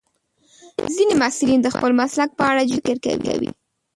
ځینې محصلین د خپل مسلک په اړه جدي فکر کوي.